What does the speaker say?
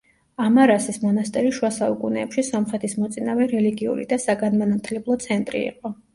ამარასის მონასტერი შუა საუკუნეებში სომხეთის მოწინავე რელიგიური და საგანმანათლებლო ცენტრი იყო.